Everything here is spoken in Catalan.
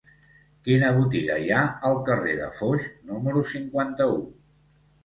Quina botiga hi ha al carrer de Foix número cinquanta-u?